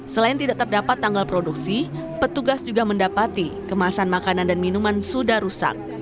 selain tidak terdapat tanggal produksi petugas juga mendapati kemasan makanan dan minuman sudah rusak